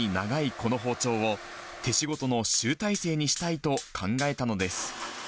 この包丁を、手仕事の集大成にしたいと考えたのです。